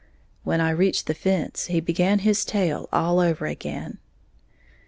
When I reached the fence he began his tale all over again.